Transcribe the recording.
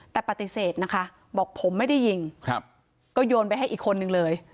แต่ปฏิเสธนะคะบอกผมไม่ได้ยิงก็โยนไปให้อีกคนนึงเลย